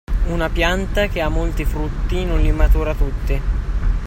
Una pianta che ha molti frutti non li matura tutti.